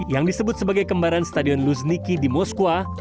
yang disebut sebagai kembaran stadion luzhniki di moskwa